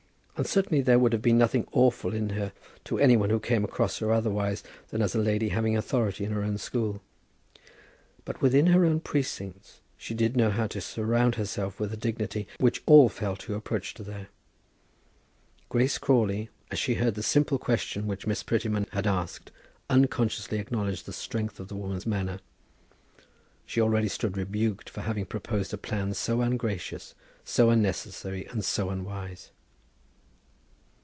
And certainly there would have been nothing awful in her to any one who came across her otherwise than as a lady having authority in her own school. But within her own precincts, she did know how to surround herself with a dignity which all felt who approached her there. Grace Crawley, as she heard the simple question which Miss Prettyman had asked, unconsciously acknowledged the strength of the woman's manner. She already stood rebuked for having proposed a plan so ungracious, so unnecessary, and so unwise.